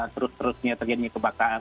terus terusnya terjadi kebakaran